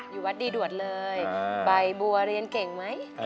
อยู่วัดดีด่วนเลยใบบัวเรียนเก่งไหม